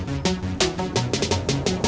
ubat ke mana nih tuh